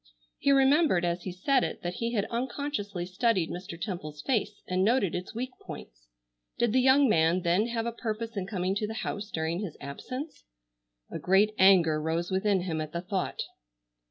He remembered as he said it that he had unconsciously studied Mr. Temple's face and noted its weak points. Did the young man then have a purpose in coming to the house during his absence? A great anger rose within him at the thought.